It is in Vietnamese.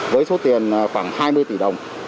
với số tiền khoảng hai mươi tỷ đồng